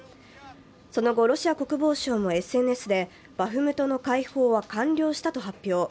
その後、ロシア国防省のＳＮＳで、バフムトの解放は完了したと発表。